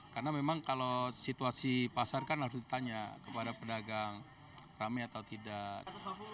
karena memang kalau situasi pasar kan harus ditanya kepada pedagang rame atau tidak